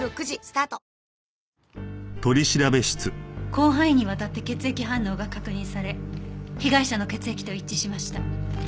広範囲にわたって血液反応が確認され被害者の血液と一致しました。